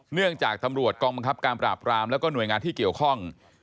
เนื่องจากตำรวจกองบังคับการปราบรามแล้วก็หน่วยงานที่เกี่ยวข้อง